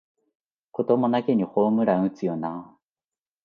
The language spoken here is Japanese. こともなげにホームラン打つよなあ